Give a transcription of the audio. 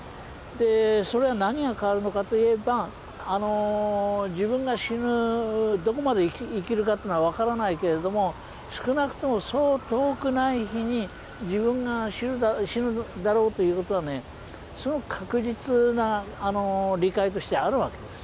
それは何が変わるのかと言えば自分が死ぬどこまで生きるかというのは分からないけれども少なくともそう遠くない日に自分が死ぬだろうという事はねすごく確実な理解としてある訳です。